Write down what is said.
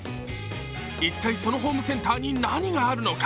一体、そのホームセンターに何があるのか。